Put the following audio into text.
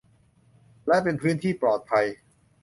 และเป็นพื้นที่ปลอดภัย